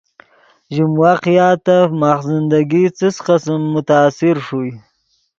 ژیم واقعاتف ماخ زندگی څس قسم متاثر ݰوئے